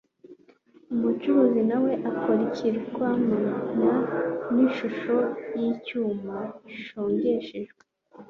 umucuzi na we akora ikigirwamana n'ishusho ry'icyuma gishongeshejwe